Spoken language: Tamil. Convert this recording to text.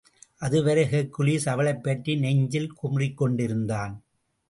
அதுவரை ஹெர்க்குவிஸ் அவளைப் பற்றி நெஞ்சிலே குமுறிக்கொண்டிருந்தான்.